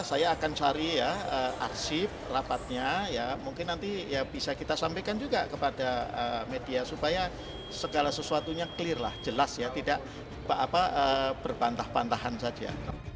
saya akan cari ya arsip rapatnya ya mungkin nanti ya bisa kita sampaikan juga kepada media supaya segala sesuatunya clear lah jelas ya tidak berbantah pantahan saja